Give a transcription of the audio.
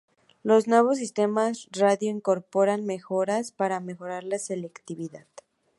Los nuevos sistemas radio incorporan mejoras para mejorar la selectividad.